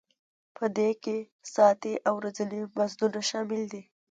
په دې کې ساعتي او ورځني مزدونه شامل دي